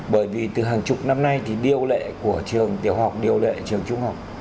bởi vì từ hàng chục năm nay thì điều lệ của trường tiểu học điều lệ trường trung học